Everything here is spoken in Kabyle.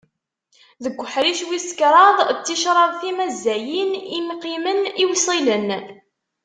Deg uḥric wis kraḍ d ticraḍ timazzayin: imqimen iwsilen.